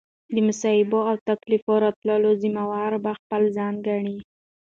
د مصائبو او تکاليفو راتللو ذمه وار به خپل ځان ګڼي